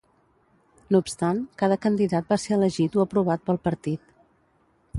No obstant, cada candidat va ser elegit o aprovat pel partit.